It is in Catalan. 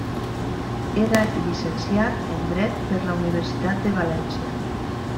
Era llicenciat en Dret per la Universitat de València.